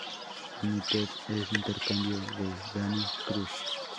United en intercambio de Danny Cruz.